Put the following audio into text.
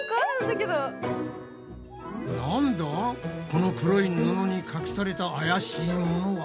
この黒い布に隠された怪しいものは。